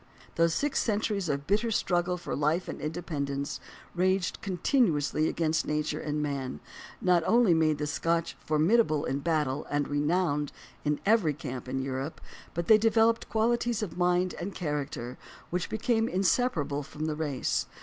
Those six centuries of bitter struggle for life and in dependence, waged continuously against nature and man, not only made the Scotch formidable in battle and renowned in every camp in Europe, but they developed qualities of mind and character which became insep arable from the race.